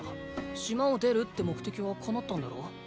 島を出るって目的は叶ったんだろ。